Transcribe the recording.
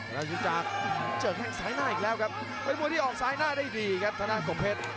แล้วยุติจักรเจอกังซ้ายหน้าอีกแล้วครับเพื่อนมือที่ออกซ้ายหน้าได้ดีครับธนาคกบเพชร